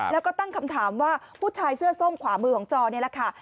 แล้วก็ตั้งคำถามว่าผู้ชายเสื้อส้มขวามือของจอนี่แหละค่ะ